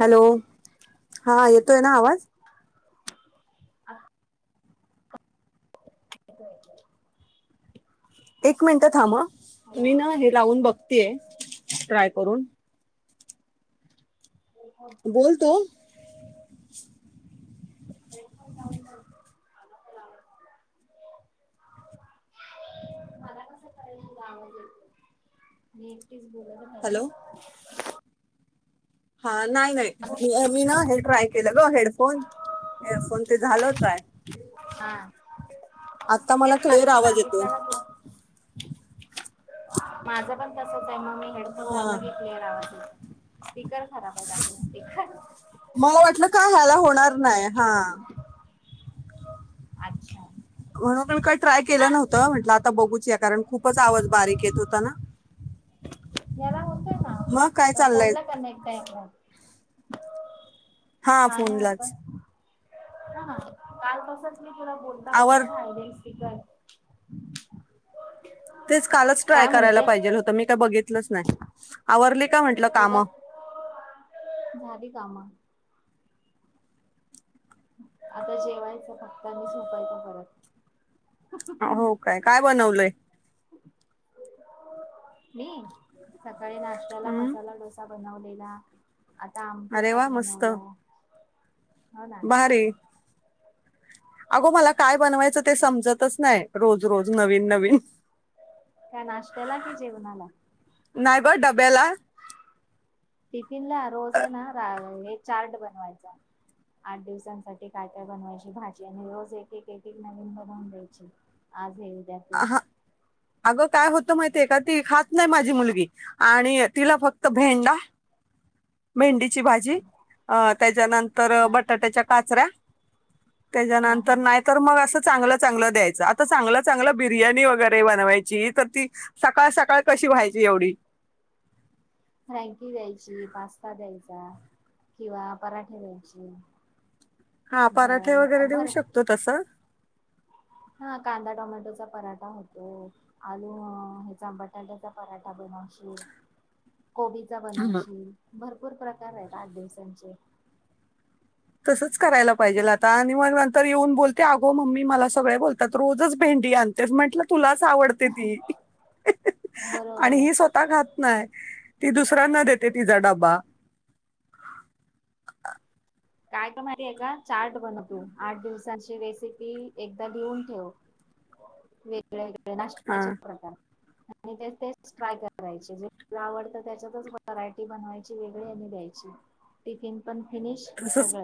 Hello हा येतोय ना आवाज. अ [inaudible] [unintelligible] एक मिनिटं थांब मी ना हे लावून बघतेय ट्राय करून. बोल तू. [inaudible] मला कस कळलंय हिला आवाज येत नाही. हॅलो [inaudible] हा नाही नाही ना मी मी ना हे ट्राय केलं ग हेडफोन हेअरफोन ते झाल ट्राय. हा आता मला तेच ना क्लिअर तिने आवाज येतोय सांगितलं का तुला, माझं पण तसच आहे मग मी हेडफोन लावला हा की क्लिअर आवाज. येतो स्पीकर खराब आहेत आपले स्पीकर. मला वाटलं का ह्याला होणार नाही हा अच्छा. म्हणून म काय ट्राय ना केलं नव्हतं म्हटलं आता बघूच या कारण खूपच आवाज बारीक येत होता ना. याला होतंय मग काय ना चाललंय फोनला कनेक्ट आहे हा. हा काल आस काल, फोनलाच हां तुला आवर बोलली ना. [inaudible] तेच कालच ट्राय करायला पाहिजेल होतं, मी काय बघितलंच नाही. आवरली का म्हटलं काम गत झाली कामं. आता जेवायचं फक्त आनी झोपायचं परत. हो काय, काय बनवलंय? मी, सकाळी नाश्त्याला हं? मसाला डो सा बनवलेला, आता आमटी अरे वा भात मस्त बनवला. हो ना भारी अगो मला काय बनवायचं ते समजतच नाय, रोज रोज नवीन नवीन. काय नाष्ट्याला की जेवनाला? नाही ग डब्याला टिफिन ला रोज ना हे चार्ट बनवायचा. आठ दिवसांसाठी काय काय बनवायची भाजी, आणि रोज एक एक एक एक नवीन बनवून द्यायची. आज हे उद्या ते हा, अगं काय होतं माहितय का, ती खात नाही माझी मुलगी. आणि तिला फक्त भेंडा भेंडीची भाजी, अं त्याच्यानंतर हा बटाट्याच्या काचऱ्या. हा हा त्याच्यानंतर नाय तर मग असं चांगलं चांगलं द्यायचं, आता चांगलं चांगलं बिर्याणी वगैरे बनवायची तर ती सकाळ सकाळ कशी व्हायची एवढी. फ्रँकी द्यायची, पास्ता द्यायचा किंवा पराठे द्यायची. हां पराठे वगैरे देऊ भर शकतो तसं. हा कांदा टोमॅटोचा पराठा होतो. आलू ह्याचा बटाट्याचा पराठा बनवशील, कोबी चा बनवशील, भरपूर प्रकार आहेत आठ दिवसांचे. तसच करायला असं पाहिजेल आता, आणि मग नंतर येऊन बोल ते अगो मम्मी मला सगळे बोलतात, रोजच भेंडी आणतेस, म्हटलं तुलाच आवडते ती, बरोबर आणि आहे हि स्वः. ता खात नाही, ती दुसऱ्यांना देते तिचा डबा. काय कर माहितीय का, चार्ट बनव तू, आठ दिवसांची रेसिपी एकदा लिहून ठेव. वेगळे वेगळे्या हा नाश्याचे प्रकार. आणि ते तेच ट्राय करायचे, जे तुला आवडतं त्याच्यातच व्हरायटी बनवायची ची वेगळी आणि द्यायची, टिफीन पण फिनीश तसंच,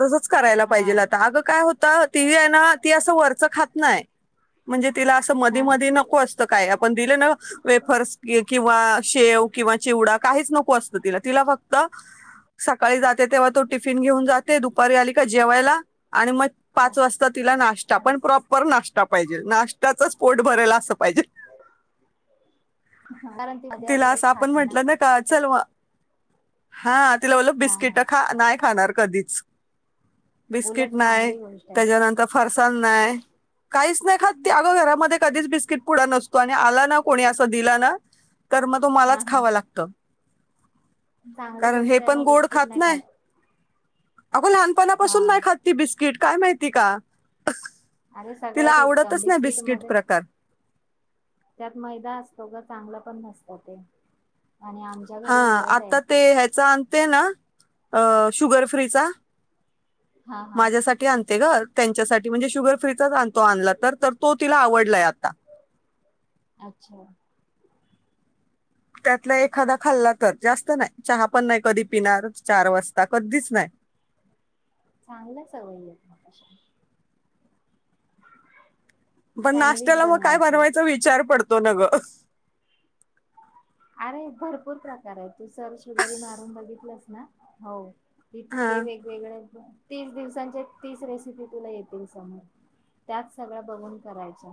तसंच करायला हा पाहिजेल आता, अगं काय होतं ती आहे ना, ती असं वरचं खात नाही, म्हणजे तिला असं मधी हा मधी नको अस त काय, आपण दिलं ना वेफर्स किंवा शेव किंवा चिवडा, काहीच नको असतं तिला, तिला फक्त सकाळी जाते तेव्हा तो टिफिन घेऊन जाते, दुपारी आली का जेवायला आणि मग हा पाच वाजता तिला नाश्ता अरे पण प्रॉपर नाश्ता पायजे, नाश्त्याचच पोट भरायला असं पायजे. कारण ती मध्ये तिला आधे काहीच असं खात आपण नाही ना. म्हटलं का चल मग हा तिला बोललं हा हा बिस्किटं खा, नाय खाणार कधीच. उलट बिस्किट नाय, चांगली गोष्ट आहे त्याच्यानंतर फरसाण नाय. काहीच नाही खात, ते अगं घरामध्ये कधीच बिस्किट पुढा नसतो, आणि आला ना कोणी असा दिला ना, तर मग तो हा मलाच हा खावां लागतं. चांगली कारण हे गोष्ट आहे पण ना गोड बिस्किट खात नाही अगं हा लहानपणापासून नाही खात ती बिस्किट काय माहिती का अरे तिला सगळ्यात उत्तम आवडतच नाही बिस्किट मध्ये प्रकार त्यात मैदा असतो ग चांगलं पण नसतं ते आणि आमच्या हा घरी उलट आहे आता ते ह्याच आणते ना अ शुगर फ्रीचा हा हा माझ्यासाठी आणते ग त्यांच्यासाठी म्हणजे शुगर फ्रीचाच आणतो आणला तर तो तिला आवडलाय आता अच्छा त्यातला एखादा खाल्ला तर जास्त नाही चहा पण नाही कधी पिणार चार वाजता कधीच नाही चांगल्या सवयी आहेत पण सँडविच नाशट्याला मग काय बनवायचं बनवायचा विचार पडतो ना ग अरे भरपूर प्रकार आहे तू सर्च मारून बघितलंस ना हो हा इतके वेगवेगळे तीस दिवसांच्या तीस रेसिपी तुला येतील समोर त्यात सगळ बघून करायच्या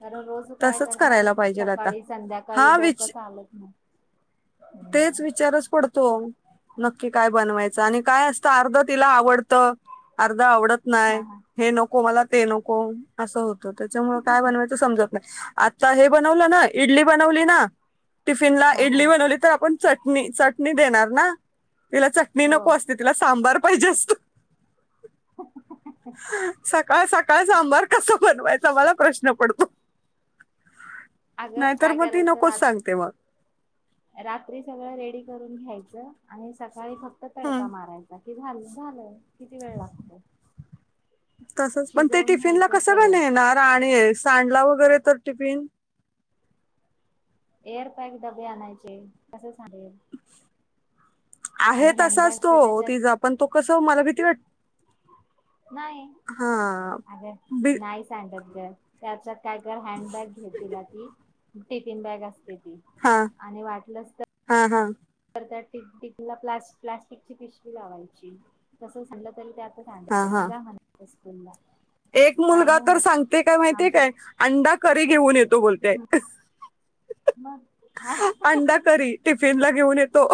कारण रोज काय तसंच करणार करायला पाहिजे आता सकाळी संध्याकाळी हा विच डोकंच चालत नाही तेच हम्म. विचारच पडतो नक्की काय बनवायचं आणि काय असतं अर्ध तिला आवडतं अर्ध आवडत हा नाही हा हे नको मला ते नको असं होत त्याच्यामुळे काय बनवायच समजत नाही हे बनवलं ना इडली बनवली ना टिफिनला हा हा इडली बनवली तर आपण चटणी चटणी देणार ना तिला चटणी हो नको असते तिला सांबार पाहिजे असतो हो सकाळ सकाळ सांबार कसा बनवायचा मला प्रश्न पडतो अगं नाहीतर काय मग ती करायचं नकोच सांगते मग रात्री सगळं रेडी करून घ्यायचं आणि सकाळी फक्त तडका हम्म मारायचा बाकी झाल झालं किती वेळ लागतो तसच पण ते शिजवून टिफिनला घ्यायचं कसं ग सगळं. नेणार आणि सांडला वगैरे तर टिफिन एअरपॅक डबे आणायचे कस सांडेल आहे तसाच हँडबॅग्स तर तो त्याच्यात तिचा पण तो कस मला भीती वाट नाही हा अगं बी नाहीच सांडत ग त्याच्यात काय कर हँडबॅग घेते ना ती टिफीन बॅग असते ती हा आणि वाटलंच तर हा हा तर त्या टी टीफीनला प्ला प्लास्टिकची पिशवी लावायची तस सांडल तरी त्यात हा हा आणि जा म्हणायचं स्कूलला एक काय मुलगा नाही तर होत सांगतय काय माहितीये आमच्या काय अंडा करी घेऊन येतो बोलते मग हा अंडाकरी टिफिन ला घेऊन येतो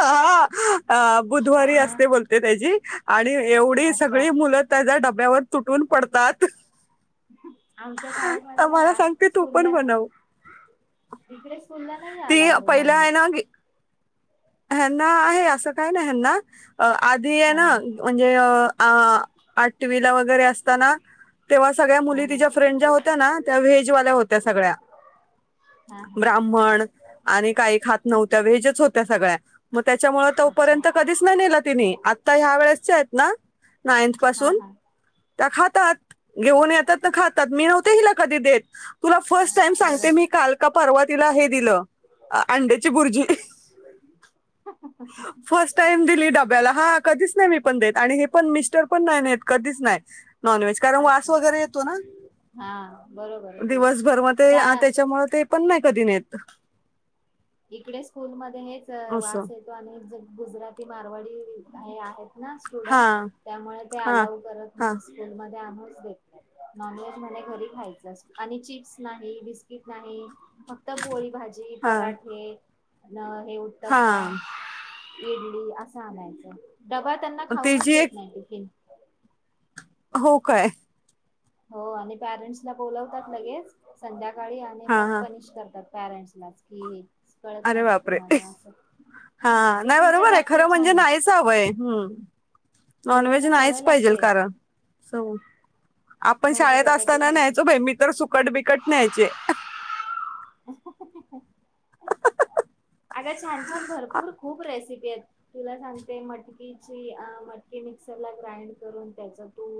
हा बुधवारी हा असते बोलते त्याची आणि एवढी अच्छा सगळी मुलं त्याच्या डब्यावर तुटून पडतात आमच्या शाळेमध्ये तर नाही मला आ सांगते तू पण स्कुलला नाही बनव इकडे स्कुलला नाही ती अलॉउड नॉन पहिला आहे व्हेज ना ह्यांना आहे असं काही नाही ह्यांना आधी आहे हा ना म्हणजे आ आठवीला वगैरे असताना तेव्हा सगळ्या हा मुली हा तिच्या फ्रेंड ज्या होत्या ना त्या व्हेजवाल्या होत्या सगळ्या हा हा ब्राह्मण आणि काही खात नव्हत्या वेजच होत्या सगळ्या म त्याच्यामुळ अच्छा तोपर्यंत कधीच नाय न्हेला तिनि आता ह्या वेळेस च्या हायत ना नाथ हा पासून हा त्या खातात घेऊन येतात ना खातात मी नव्हते हिला कधी देत. तुला फर्स्ट टाईम सांगते बरोबर मी काल का परवा तिला हे दिलं अंड्याची बूर्जी. लाईट गेली? [inaudible] फर्स्ट टाईम दिली डब्याला हा कधीच नाय मी पण देत आणि हे पण मिस्टर पण नाय न्हेत कधीच नाय. नॉन व्हेज कारण वास अच्छा वगैरे येतो ना. हा बरोबर तेच दिवसभर म ते त्या त्याच्यामूळ ते पण नाय कधी न्हेत. इकडे स्कूलमध्ये हेच असं वास येतो आणि ज गुजराती मारवाडी हे आहेत. ना हा स्टुडंट त्यामुळे ते हा अलाव करत हा नाय स्कूलमध्ये आमहीच देत नाय. नॉनव्हेज म्हणे घरी खायच आणि चिप्स नाही बिस्किट नाही फ क्त पोळी भाजी हा पराठे अन् हे उत्तप्पा. हा इडली असं आणायचं डबा त्यांना खाऊनच तिची देत एक नाय टिफीन. हो काय? हो आणि पॅरेंट्सला बोलवतात लगेच संध्याकाळी आणि हा मग हा पनिश करतात. पॅरेंट्सलाच की कळत अरे नाय का बापरे तुम्हाला असं हा टिफिनच्या बाबतीत छान आय. सावय नॉनव्हेज मुलांना सवय नायच पाहिजे लागते कारण. आपण भाजी शाळेत चपाती असताना खायची. न्ह्यायचो बाय मी तर सुकट बिकट न्ह्यायचे. [inaudible] [inaudible] अग छान छान भरपूर खूप रेसिपी आयत. तुला सांगते मटकीची अ मटकी मिक्सर ला ग्राईंड करून त्याच तू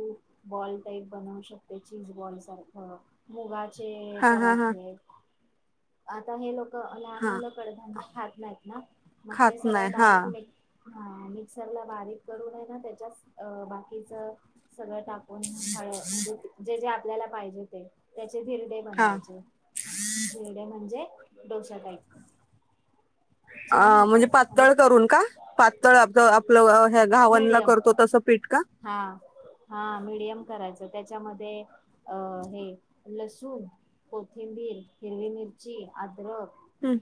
बॉल टाईप बनवू शकते चीज बॉल सारखं. मुगाचे हा हा हा पराठे आता हे लोक लहान हा मुलं कडधान्य खात नायत ना मग ते खात सगळ नाही हा डायरेक्ट मी हा मिक्सर ला बारीक करूनय हाय ना त्याच्याच बाकीच सगळं टा कुण हळ म्हणजे जे जे आपल्याला पाहिजे ते त्याचे धिरदे हा बनवायचे. धिरडे म्हणजे डोसा टाईप. अ छान म्हणजे होतात आणि पातळ करून का? पातळ आपलं आपलं ह्या घावनला मिडियम करतो तसं पीठ का? हा हा मीडियम करायचं त्याच्यामध्ये अ हे लसूण, कोथिंबीर, हिरवी, मिरची, आद्रक हम्.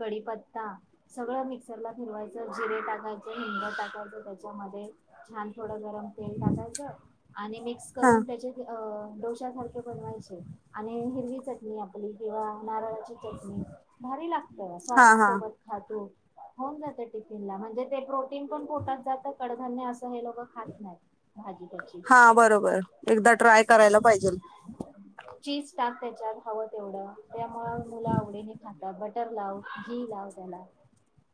कडीप ता सगळं मिक्सरला फिरवायचं जिरे टाकायचं हिंग टाकायचं त्याच्यामध्ये छान थोडं गरम तेल टाकायचं आणि मिक्स हा करून त्याचे डोश्या सारखे बनवायचे आणि हिरवी चटणी आपली किंवा नारळाची चटणी भारी लागतेया ग हा सॉस हा सोबत खा तु. होऊन जाते टिफिन ला म्हणजे ते प्रोटीन पण फटात जात कडधान्य असं हे लोकं खात नायत. भाजी त्याची. हा बरोबर एकदा ट्राय करायला असं पाहिजेल. चीज टाक त्याच्यात हवं तेवढं त्यामुळं मुलं आवडीन खातात बटर लाव. घी लाव त्याला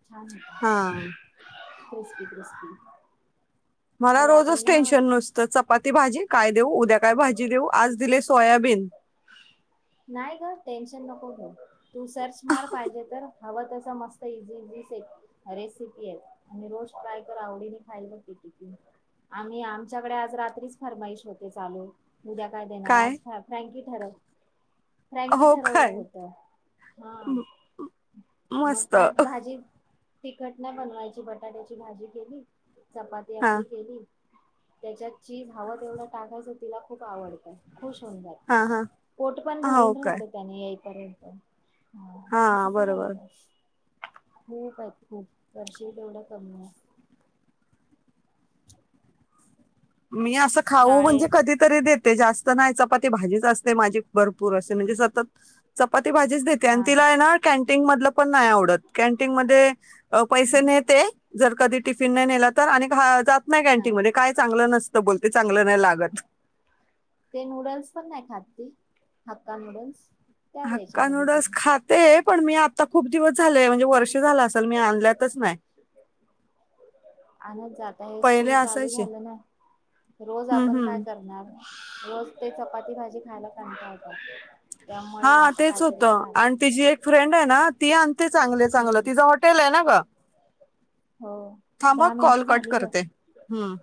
छान हा होत क्रिस्पी क्रिस्पी. मला अरे आपण रोजच ना टेन्शन नुस तर चपाती भाजी काय? देऊ उद्या काय? भाजी देऊ आज दिले सोयाबीन. नाही ग टेन्शन नको घेऊ. तू सर्च मार पाहिजे तर हवं तस मस्त इझीीस. रेसिपी आहेत आणि रोज ट्राय कर आवडीने खायला बघ टिफिन. आम्ही आमच्याकडे आज रात्रीच फरमाईश होते चालू. उद्या काय? देणार आज फ्रँकी ठरव. फ्रँकी हो ठरवलं काय होत हा. म मग मस्त त्यात भाजी [inaudible] तिखट ना बनवायची बटाट्याची भाजी केली चपाती हा आपली केली. त्याच्यात चीज हवं तेवढं टाकायचं तिला खूप आवडतं खुश होऊन जातं. हा हा पोट पण हो भरून काय राहत. त्यांनी येईपर्यंत हा हा असं बरोबर करायचंस. खूप आहेत खूप वर्ष तेवढं कमी आहे. मी असं खाऊ शाळे म्हणजे कधीतरी देते जास्त नाही चपाती भाजीच असते माझी. भरपूर असे म्हणजे सतत चपाती भाजीच देते आणि हा तिला आहे ना. कॅन्टीन मधलं पण नाही आवडत कॅन्टीन मध्ये पैसे नेते जर कधी टिफिन नाही नेला तर आणि नाही कॅंटी हा मध्ये काय चांगलं नसतं बोलते चांगलं नाही लागत. ते नूडल्स पण नाही खातती हक्का नूडल्स. त्या द्यायच्या हक्का नूडल्स कधीतरी खात ते पण मी आत्ता खूप दिवस झाले म्हणजे वर्ष झालं असेल मी आणल्यातच नाही. आणच जात हे पहिले स्कूल चालू असायचे झालं ना रोज हम्म आपण काय हम्म करणार. रोज ते चपाती भाजी खायला कंटाळतात. त्यामुळे हा असं तेच काहीतरी होतं त्रास आणि तिचीी एक फ्रेंड आहे ना ती आणते चांगले चांगलं तिझं हॉटेल आहे ना ग. हो थांब दहा कॉल मिनटं कट झाली ग करते हम्म.